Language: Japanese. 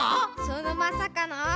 そのまさかの。